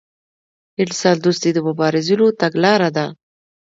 انسان دوستي د مبارزینو تګلاره ده.